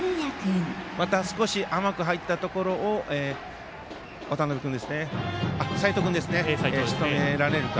また、少し甘く入ったところを齋藤君はしとめられるか。